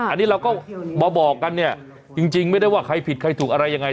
อันนี้เราก็มาบอกกันเนี่ยจริงไม่ได้ว่าใครผิดใครถูกอะไรยังไง